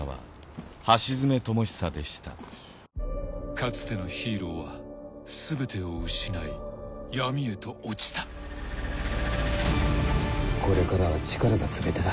かつてのヒーローは全てを失い闇へと落ちたこれからは力が全てだ。